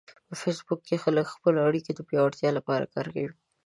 په فېسبوک کې خلک د خپلو اړیکو د پیاوړتیا لپاره کار کوي